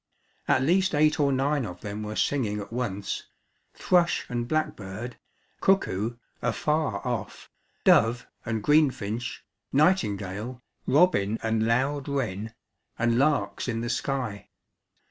At least eight or nine of them were singing at once, thrush and blackbird, cuckoo (afar off), dove, and greenfinch, nightingale, robin and loud wren, and larks in the sky.